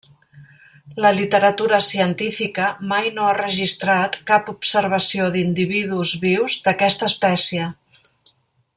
La literatura científica mai no ha registrat cap observació d'individus vius d'aquesta espècie.